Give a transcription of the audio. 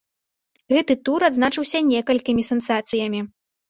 Гэты тур адзначыўся некалькімі сенсацыямі.